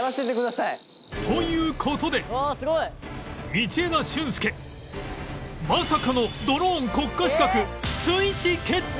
という事で道枝駿佑まさかのドローン国家資格追試決定！